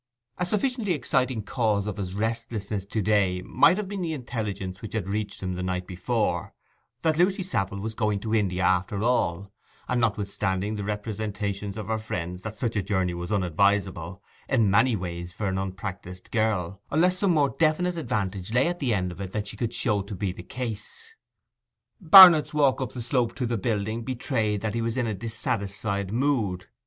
A sufficiently exciting cause of his restlessness to day might have been the intelligence which had reached him the night before, that Lucy Savile was going to India after all, and notwithstanding the representations of her friends that such a journey was unadvisable in many ways for an unpractised girl, unless some more definite advantage lay at the end of it than she could show to be the case. Barnet's walk up the slope to the building betrayed that he was in a dissatisfied mood.